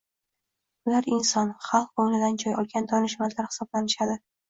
Ular inson, xalq ko`nglidan joy olgan donishmandlar hisoblanishadi